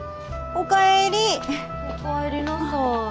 お帰りなさい。